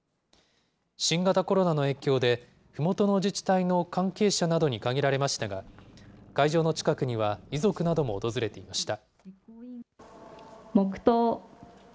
新型コロナの影響で、ふもとの自治体の関係者などに限られましたが、会場の近くには、遺族なども訪れていました。